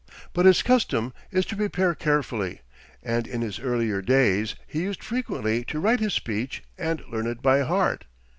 But his custom is to prepare carefully, and in his earlier days he used frequently to write his speech and learn it by heart.